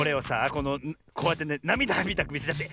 このこうやってねなみだみたくみせちゃって。